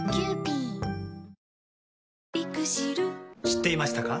知っていましたか？